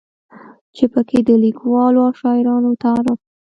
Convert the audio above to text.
چې پکې د ليکوالو او شاعرانو تعارف